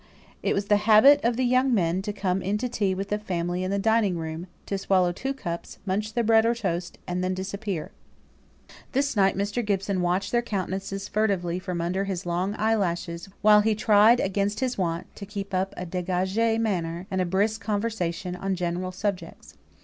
It was the habit of the young men to come in to tea with the family in the dining room, to swallow two cups, munch their bread or toast, and then disappear. This night Mr. Gibson watched their countenances furtively from under his long eye lashes, while he tried against his wont to keep up a dÄgagÄ manner, and a brisk conversation on general subjects.